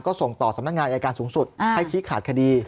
ก็ส่งต่อสำนักงานอายการสูงสุดให้ชี้ขาดคดี